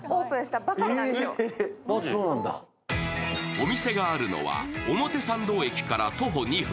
お店があるのは表参道駅から徒歩２分。